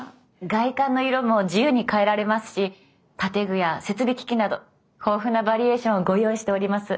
外観の色も自由に変えられますし建具や設備機器など豊富なバリエーションをご用意しております。